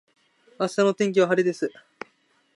明日の天気は晴れです。